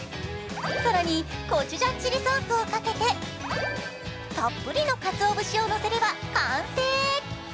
更にコチュジャンチリソースをかけてたっぷりのかつお節をのせれば完成。